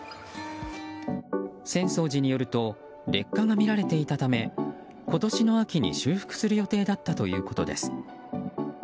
浅草寺によると劣化が見られていたため今年の秋に修復する予定だったということです。